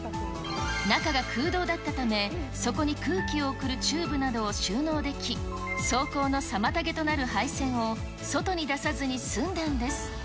中が空洞だったためそこに空気を送るチューブなどを収納でき、走行の妨げとなる配線を外に出さずに済んだんです。